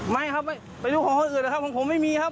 ไม่ครับเป็นลูกของคนอื่นนะครับของผมไม่มีครับ